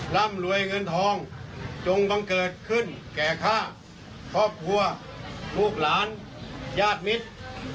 ร่ำรวยเงินทองจงบังเกิดขึ้นแก่ข้าครอบครัวลูกหลานญาติมิตร